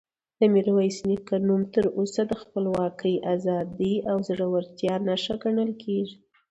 د میرویس نیکه نوم تر اوسه د خپلواکۍ، ازادۍ او زړورتیا نښه ګڼل کېږي.